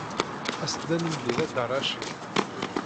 Aset-d ad nemlil ad Dda Racid.